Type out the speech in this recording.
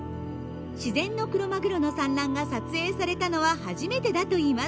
自然のクロマグロの産卵が撮影されたのは初めてだといいます。